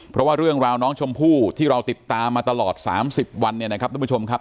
เพราะว่าเรื่องราวน้องชมพู่ที่เราติดตามมาตลอด๓๐วันเนี่ยนะครับทุกผู้ชมครับ